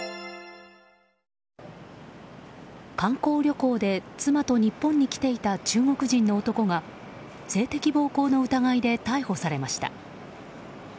観光旅行で妻と日本に来ていた中国人の男が性的暴行の疑いで逮捕されました。